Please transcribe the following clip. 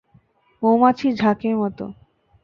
মৌমাছির ঝাঁকের মতো!